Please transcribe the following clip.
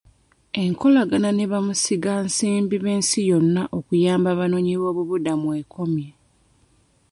Enkolagana ne bamusiga nsimbi ab'ensi yonna okuyamba abanoonyi b'obubuddamu ekomye.